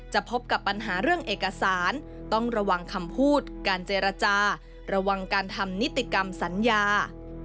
พบกับปัญหาเรื่องเอกสารต้องระวังคำพูดการเจรจาระวังการทำนิติกรรมสัญญา